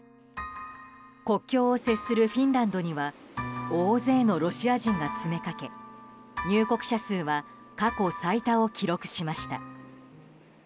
国境を接するフィンランドには大勢のロシア人が詰めかけ入国者数は過去最多を記録しました。